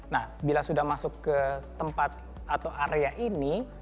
nah bila sudah masuk ke tempat atau area ini